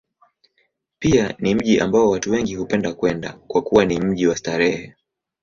Pia ni mji ambao watu wengi hupenda kwenda, kwa kuwa ni mji wa starehe.